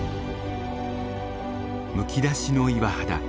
むき出しの岩肌。